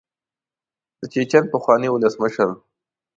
د چیچن پخواني ولسمشر.